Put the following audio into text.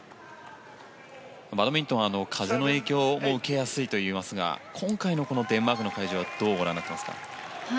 バドミントンは風の影響を受けやすいといいますが今回のデンマークの会場はどうご覧になっていますか？